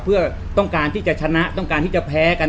เพื่อต้องการที่จะชนะต้องการที่จะแพ้กัน